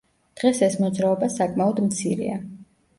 დღეს ეს მოძრაობა საკმაოდ მცირეა.